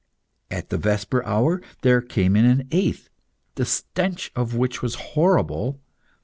At the vesper hour, there came an eighth, the stench of which was horrible.